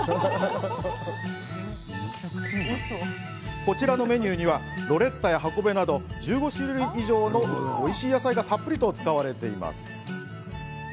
こちらのメニューにはロレッタや、はこべなど１５種類以上のおいしい野菜がたっぷりと使われています。